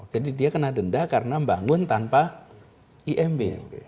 jadi dia kena denda karena bangun tanpa iab